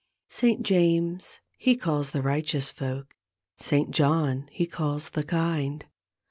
Saint James he calls the righteous folk. Saint John he calls the kind.